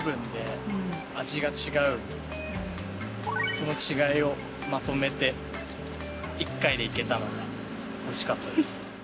その違いをまとめて一回でいけたのが美味しかったです。